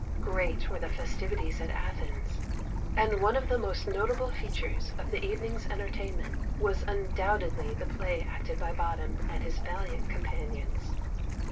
Great were the festivities at Athens, and one of the most notable features of the evening's entertainment was undoubtedly the play acted by Bottom and his valiant companions.